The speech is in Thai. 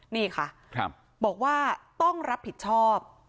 นี่ค่ะบอกว่าต้องรับผิดชอบ